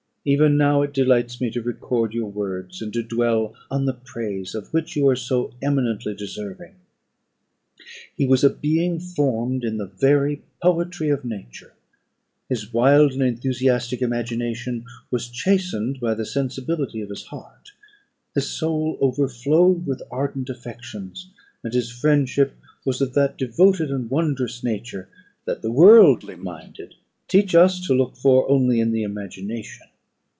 even now it delights me to record your words, and to dwell on the praise of which you are so eminently deserving. He was a being formed in the "very poetry of nature." His wild and enthusiastic imagination was chastened by the sensibility of his heart. His soul overflowed with ardent affections, and his friendship was of that devoted and wondrous nature that the worldly minded teach us to look for only in the imagination.